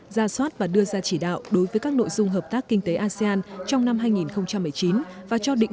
ra soát và đưa ra chỉ đạo đối với các nội dung hợp tác kinh tế asean trong năm hai nghìn một mươi chín và cho định